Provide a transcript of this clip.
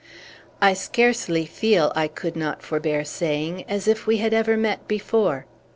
"I scarcely feel," I could not forbear saying, "as if we had ever met before.